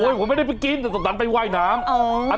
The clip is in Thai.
โอ้ยผมไม่ได้ไปกรี๊ดแต่สนับสนับไปว่ายน้ำ